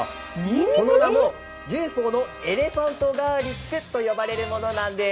その名もＵＦＯのエレファントガーリックと呼ばれるものなんです。